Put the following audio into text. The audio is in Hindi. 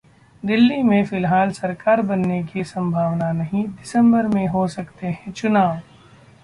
दिल्ली में फिलहाल सरकार बनने की संभावना नहीं, दिसंबर में हो सकते हैं चुनाव